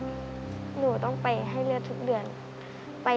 อเรนนี่ต้องมีวัคซีนตัวหนึ่งเพื่อที่จะช่วยดูแลพวกม้ามและก็ระบบในร่างกาย